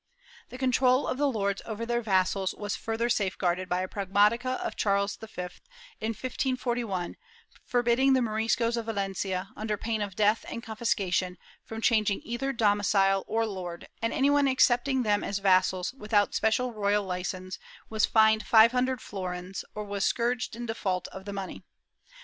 ^ The control of the lords over their vassals was further safe guarded by a pragmatica of Charles V, in 1541, forbidding the Moriscos of Valencia, under pain of death and confiscation, from changing either domicile or lord, and any one accepting them as vassals, without special royal licence, was fined five hundred florins, or was scourged in default of the money.